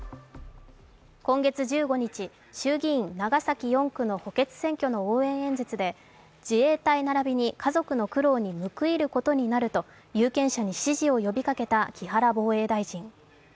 今月１５日、衆議院・長崎４区の補欠選挙の応援演説で自衛隊並びに家族の苦労に報いることになると有権者に支持を呼びかけた木原防衛大臣。